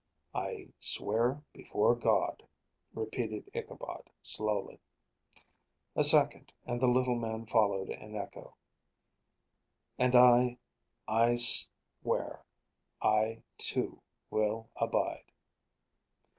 "I swear before God," repeated Ichabod slowly. A second, and the little man followed in echo. "And I I swear, I, too, will abide."